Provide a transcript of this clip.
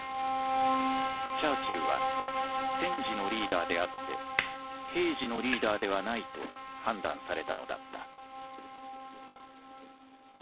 チャーチルは戦時のリーダーであって平時のリーダーではないと判断されたのだった。